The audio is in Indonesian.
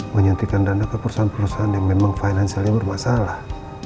menyuntikkan dana ke perusahaan perusahaan yang memang financialnya bermasalah